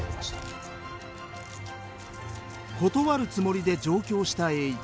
断るつもりで上京した栄一。